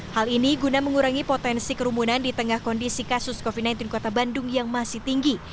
hal ini guna mengurangi potensi kerumunan di tengah kondisi kasus covid sembilan belas kota bandung yang masih tinggi